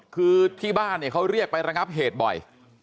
คือที่บ้านเนี่ยเขาเรียกไประงับเหตุบ่อย